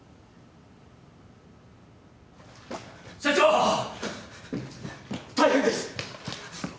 ・社長大変です！